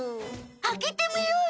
開けてみようよ！